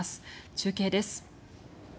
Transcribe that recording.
中継です。